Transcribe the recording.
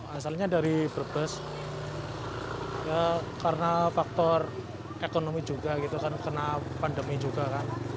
asalnya dari brebes karena faktor ekonomi juga gitu kan kena pandemi juga kan